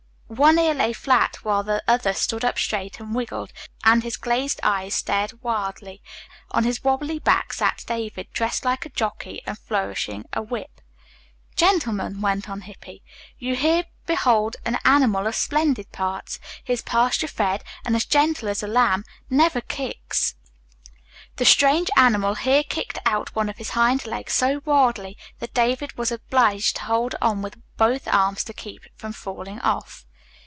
One ear lay flat, while the other stood up straight and wiggled, and his glazed eyes stared wildly. On his wobbly back sat David, dressed like a jockey and flourishing a whip. "Gentlemen," went on Hippy, "you here behold an animal of splendid parts. He is pasture fed and as gentle as a lamb, never kicks " The strange animal here kicked out one of his hind legs so wildly that David was obliged to hold on with both arms to keep from falling off.